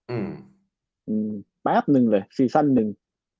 อืมแป๊บนึงเลยซีซั่นหนึ่ง